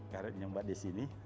karet nyembat disini